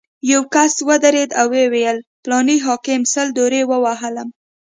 یو کس ودرېد او ویې ویل: فلاني حاکم سل درې ووهلم.